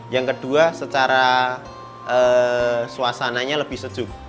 yang kedua secara suasananya lebih sejuk